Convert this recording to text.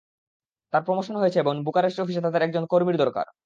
তার প্রমোশন হয়েছে এবং বুকারেস্ট অফিসে তাদের একজন কর্মীর দরকার।